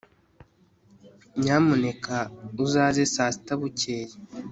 nyamuneka uzaze saa sita bukeye